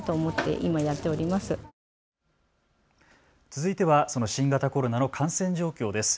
続いてはその新型コロナの感染状況です。